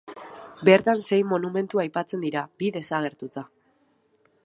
Bertan sei monumentu aipatzen dira, bi desagertuta.